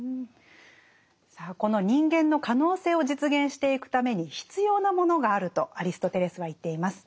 さあこの人間の可能性を実現していくために必要なものがあるとアリストテレスは言っています。